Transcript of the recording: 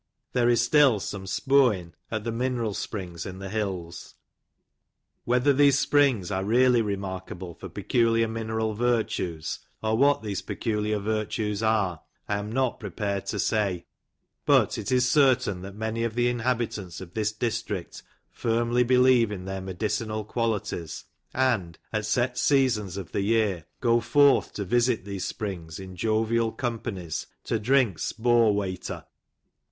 There is still some " spo'in"' at the mineral springs in the hills. Whether these springs are really remarkable for peculiar mineral virtues, or what these peculiar virtues are, I am not prepared to say : but it is certain that many of the inhabitants of this district firmly believe in their medicinal qualities, and, at set seasons of the year, go forth to visit these springs, in jovial companies, to drink " spo wayter."